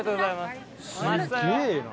すげぇな。